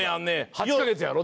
８カ月やろ？